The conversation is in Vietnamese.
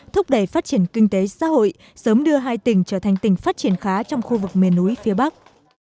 thúc đẩy phát triển kinh tế xã hội sớm đưa hai tỉnh trở thành tỉnh phát triển khá trong khu vực miền núi phía bắc